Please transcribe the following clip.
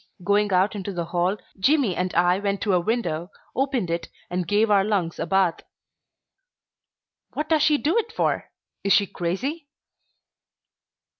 Going out into the hall, Jimmy and I went to a window, opened it, and gave our lungs a bath. "What does she do it for? Is she crazy?"